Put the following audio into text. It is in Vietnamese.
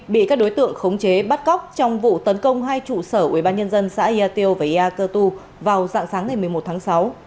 bị các đối tượng khống chế bắt cóc trong vụ tấn công hai trụ sở ubnd xã ia tiêu và ya cơ tu vào dạng sáng ngày một mươi một tháng sáu